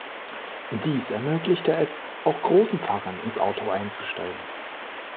Dies ermöglichte es auch großen Fahrern, ins Auto einzusteigen.